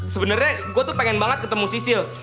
sebenernya gue tuh pengen banget ketemu sisil